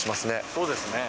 そうですね。